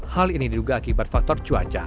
hal ini diduga akibat faktor cuaca